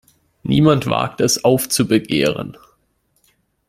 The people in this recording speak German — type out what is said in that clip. Niemand wagt es, aufzubegehren.